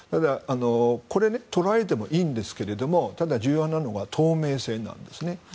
これ、捕らえてもいいんですけどただ重要なのは透明性なんですね。